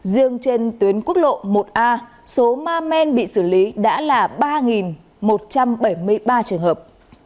riêng trên tuyến quốc lộ một a số ma men bị xử lý đã là ba một trăm bảy mươi ba trường hợp